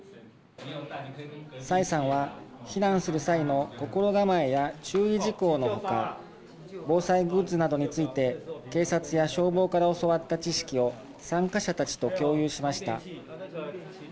蔡さんは、避難する際の心構えや注意事項のほか防災グッズなどについて警察や消防から教わった知識を参加者たちと共有しました。